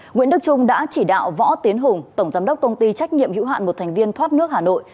nguyễn đức trung đã chỉ đạo võ tiến hùng tổng giám đốc công ty trách nhiệm hữu hạn một thành viên thoát nước hà nội